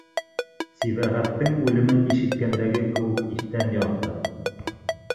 Сибәғәттең үлемен ишеткәндәге кеүек иҫтән яҙҙы.